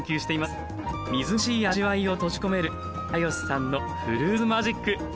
みずみずしい味わいを閉じ込めるムラヨシさんのフルーツマジック。